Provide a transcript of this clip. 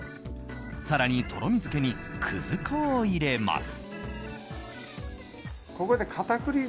更に、とろみづけにくず粉を入れます。